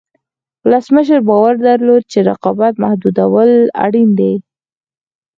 ولسمشر باور درلود چې رقابت محدودول اړین دي.